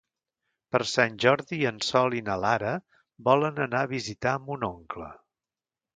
Per Sant Jordi en Sol i na Lara volen anar a visitar mon oncle.